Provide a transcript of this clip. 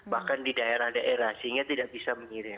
bahkan di daerah daerah sehingga tidak bisa mengirim